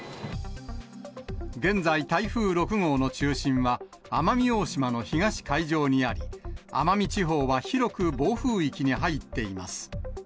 現在、台風６号の中心は奄美大島の東海上にあり、奄美地方は広く暴風域に入っています。